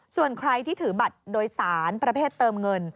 ส่วนใครที่ถือบัตรโดยสารประเภทเติมเงิน